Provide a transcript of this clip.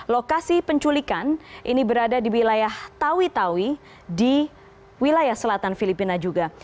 lokasi penculikan ini berada di wilayah tawi tawi di wilayah selatan filipina juga